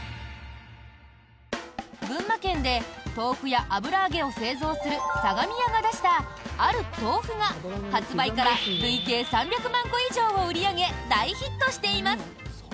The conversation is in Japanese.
群馬県で豆腐や油揚げを製造する相模屋が出したある豆腐が発売から累計３００万個以上を売り上げ、大ヒットしています。